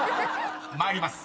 ［参ります。